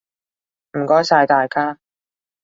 唔該晒大家！